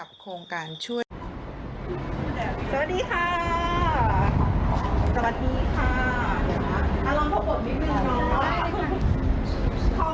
ขอบคุณน้องทุกคนที่มานะคะ